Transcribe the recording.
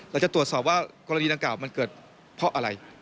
เราจะตรวจสอบว่ากรณีดังกล่าวมันเกิดเพราะอะไร